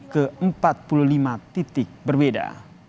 ke empat puluh lima titik berbeda